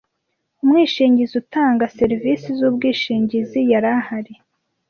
umwishingizi utanga serivisi z ubwishingizi yarahari